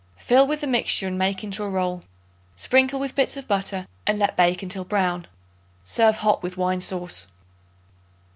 Fill with the mixture and make into a roll. Sprinkle with bits of butter and let bake until brown. Serve hot with wine sauce.